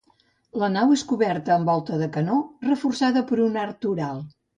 La nau és coberta amb volta de canó, reforçada per un arc toral.